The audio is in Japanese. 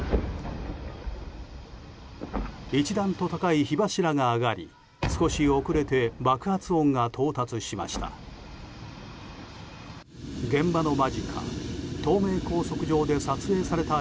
一段と高い火柱が上がり少し遅れて爆発音が到達しました。